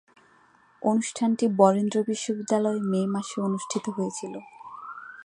অনুষ্ঠানটি বরেন্দ্র বিশ্ববিদ্যালয়ে মে মাসে অনুষ্ঠিত হয়েছিলো।